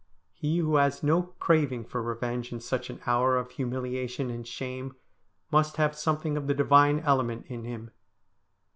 He who has no craving for revenge in such an hour of humiliation and shame must have something of the divine element in him.